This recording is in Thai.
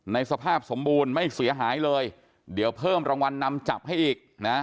ในสภาพสมบูรณ์ไม่เสียหายเลยเดี๋ยวเพิ่มรางวัลนำจับให้อีกนะ